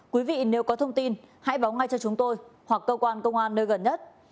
quý vị nếu có thông tin hãy báo ngay cho chúng tôi hoặc cơ quan công an nơi gần nhất